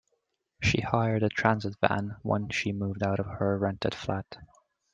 She hired a transit van when she moved out of her rented flat